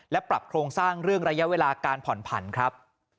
และปรับโครงสร้างเรื่องระยะเวลาการผ่อนผันครับ